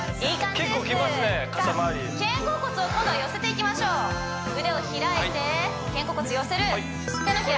じゃあ肩甲骨を今度は寄せていきましょう腕を開いて肩甲骨寄せる手のひら